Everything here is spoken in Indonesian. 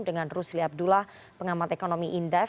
dengan rusli abdullah pengamat ekonomi indef